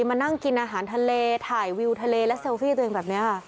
มานั่งกินอาหารทะเลถ่ายวิวทะเลและเซลฟี่ตัวเองแบบนี้ค่ะ